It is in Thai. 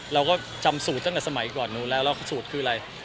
เราก็จำสูตรตั้งแต่สมัยก่อนนู้นแล้วแล้วสูตรคืออะไร